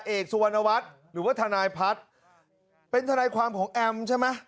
เอกสวนวัดถือว่าธนายพัดเป็นธนายการความของแอมป์ใช่มั้ย